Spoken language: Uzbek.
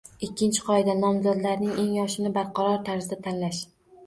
Ikkinchi qoida - nomzodlarning eng yoshini barqaror tarzda tanlash